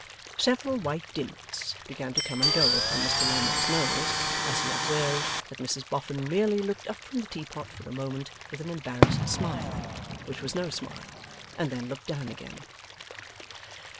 ') Several white dints began to come and go about Mr Lammle's nose, as he observed that Mrs Boffin merely looked up from the teapot for a moment with an embarrassed smile, which was no smile, and then looked down again.